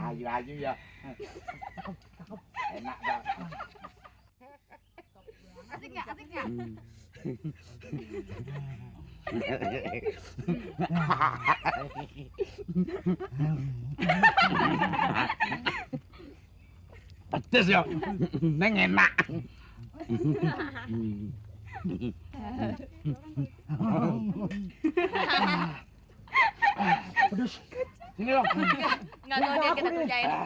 hai kok kebanyakan sampai tapi gua enak banget aku masih yang yang bawa